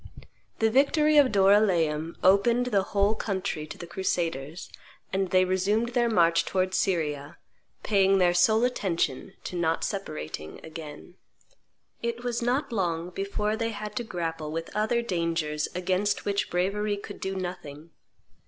The victory of Doryleum opened the whole country to the crusaders, and they resumed their march towards Syria, paying their sole attention to not separating again. It was not long before they had to grapple with other dangers against which bravery could do nothing.